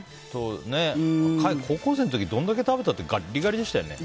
高校生の時、どれだけ食べてもガリガリでしたよね。